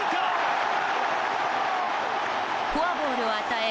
フォアボールを与え